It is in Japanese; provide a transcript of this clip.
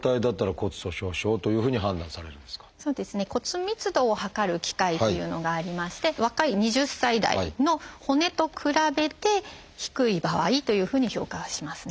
骨密度を測る機械っていうのがありまして若い２０歳代の骨と比べて低い場合というふうに評価はしますね。